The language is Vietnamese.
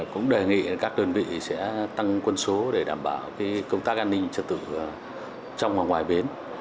cũng đề nghị các đơn vị sẽ tăng quân số để đảm bảo công tác an ninh trật tự trong và ngoài bến